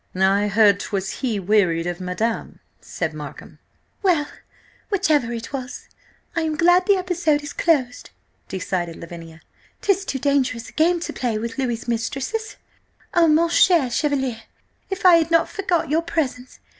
"I heard 'twas he wearied of madame," said Markham. "Well, whichever it was, I am glad the episode is closed," decided Lavinia. "'Tis too dangerous a game to play with Louis' mistresses. Oh, mon cher Chevalier! if I had not forgot your presence!